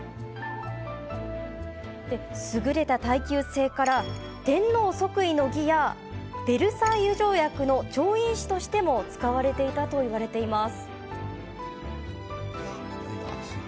優れた耐久性から天皇の即位の儀やベルサイユ条約の調印紙としても使われたといわれています。